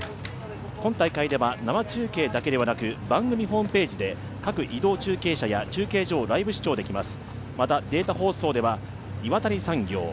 今大会では生中継ではなく番組ホームページで書く移動中継車などをライブ視聴できます。